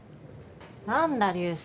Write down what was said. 何だ流星